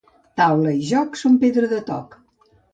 Taula i joc són pedra de toc.